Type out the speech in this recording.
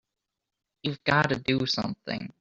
You've got to do something!